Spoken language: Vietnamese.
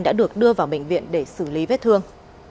đã được đưa vào bệnh viện để xử lý vết thương